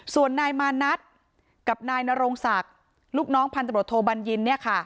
ส่วนนายมานัดกับนายนโรงศักดิ์ลูกน้องพันธบทโทบัญญินเนี่ยค่ะ